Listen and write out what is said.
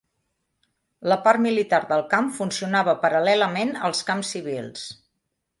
La part militar del camp funcionava paral·lelament als camps civils.